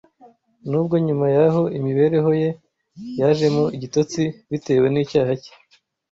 nubwo nyuma yaho imibereho ye yajemo igitotsi bitewe n’icyaha cye